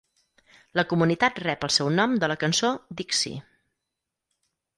La comunitat rep el seu nom de la cançó "Dixie".